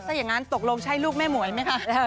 ถ้าอย่างนั้นตกลงใช่ลูกแม่หมวยไหมคะ